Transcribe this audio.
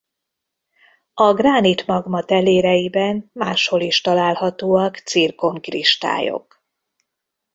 A gránit-magma teléreiben máshol is találhatóak cirkon kristályok.